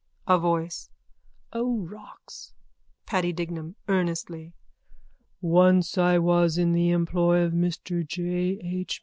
A VOICE: O rocks. PADDY DIGNAM: (Earnestly.) Once I was in the employ of Mr J. H.